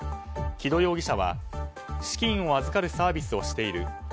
貴戸容疑者は資金を預かるサービスをしている。